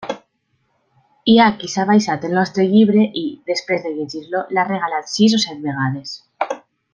Hi ha qui s'ha baixat el nostre llibre i, després de llegir-lo, l'ha regalat sis o set vegades.